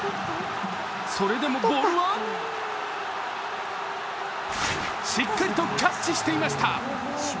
それでもボールはしっかりとチャッチしていました。